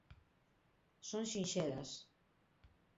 Son sinxelas.